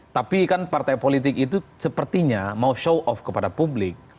tapi kan partai politik itu sepertinya mau show off kepada publik